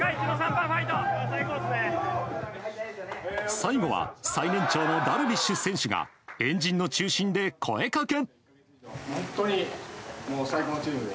最後は最年長のダルビッシュ選手が円陣の中心で声かけ。